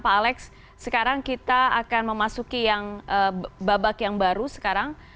pak alex sekarang kita akan memasuki yang babak yang baru sekarang